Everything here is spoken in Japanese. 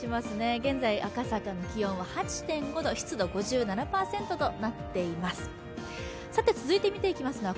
現在、赤坂の気温は８．５度湿度５７％となっています。